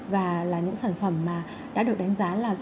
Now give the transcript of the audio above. và là những sản phẩm đã được đánh giá